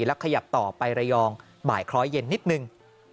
แล้วขยับต่อไประยองบ่ายคล้อยเย็นนิดนึง